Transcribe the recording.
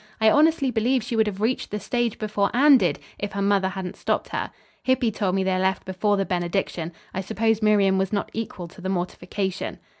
I honestly believe she would have reached the stage before Anne did, if her mother hadn't stopped her. Hippy told me they left before the benediction. I suppose Miriam was not equal to the mortification."